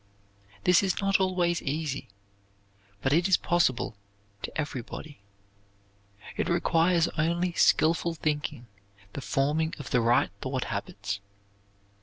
This is not always easy, but it is possible to everybody. It requires only skilful thinking, the forming of the right thought habits.